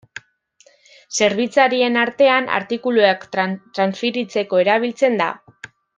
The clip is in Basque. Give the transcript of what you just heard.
Zerbitzarien artean artikuluak transferitzeko erabiltzen da.